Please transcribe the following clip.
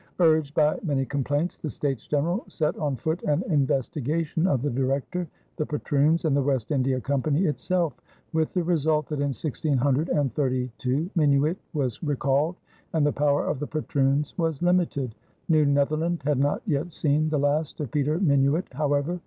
Urged by many complaints, the States General set on foot an investigation of the Director, the patroons, and the West India Company itself, with the result that in 1632 Minuit was recalled and the power of the patroons was limited. New Netherland had not yet seen the last of Peter Minuit, however.